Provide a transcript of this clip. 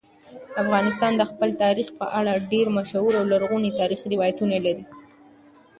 افغانستان د خپل تاریخ په اړه ډېر مشهور او لرغوني تاریخی روایتونه لري.